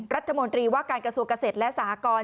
รัฐมนตรีว่าการกระทรวงเกษตรและสหกร